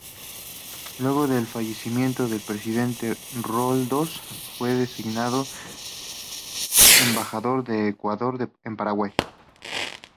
Luego del fallecimiento del presidente Roldós fue designado embajador de Ecuador en Paraguay.